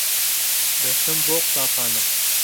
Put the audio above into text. دەچم بۆ قوتابخانە.